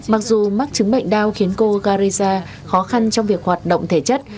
mặc dù mắc chứng bệnh đau khiến cô garesa khó khăn trong việc hoạt động thể chất